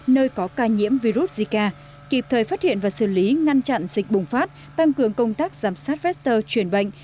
nơi có ca nhiễm virus zika kịp thời phát hiện và xử lý ngăn chặn dịch bùng phát tăng cường công tác giám sát vector truyền bệnh